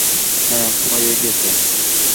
হাঁ, হয়ে গেছে।